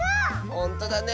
ほんとだね！